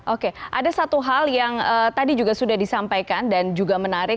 oke ada satu hal yang tadi juga sudah disampaikan dan juga menarik